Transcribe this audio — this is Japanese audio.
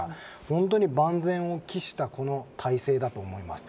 本当に万全を期した態勢だと思います。